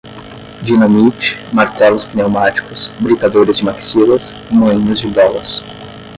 dinamite, martelos pneumáticos, britadores de maxilas, moinhos de bolas